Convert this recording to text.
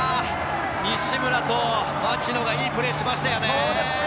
西村と町野がいいプレーをしましたよね。